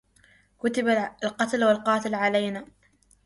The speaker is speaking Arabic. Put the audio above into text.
كتب القتل والقتال علينا